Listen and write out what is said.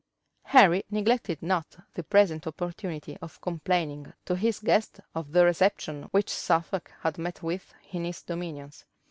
Henry neglected not the present opportunity of complaining to his guest of the reception which Suffolk had met with in his dominions.